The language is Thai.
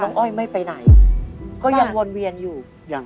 น้องอ้อยไม่ไปไหนก็ยังวนเวียนอยู่